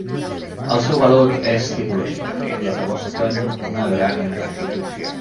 El seu valor és tipològic, ja que mostren una gran unitat.